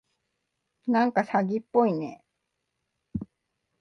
なんか詐欺っぽいね。